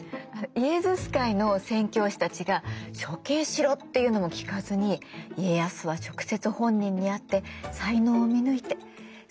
イエズス会の宣教師たちが「処刑しろ！」って言うのも聞かずに家康は直接本人に会って才能を見抜いて側近に採用する。